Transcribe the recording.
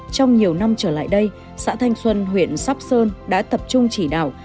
trong nhiều năm trở lại đây xã thanh xuân huyện sóc sơn đã tập trung chỉ đạo